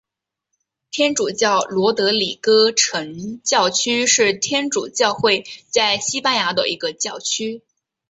天主教罗德里戈城教区是天主教会在西班牙的一个教区。